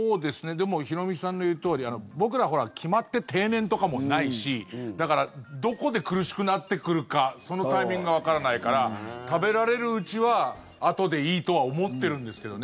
でも、ヒロミさんの言うとおり僕ら、決まって定年とかもないしだからどこで苦しくなってくるかそのタイミングがわからないから食べられるうちはあとでいいとは思ってるんですけどね。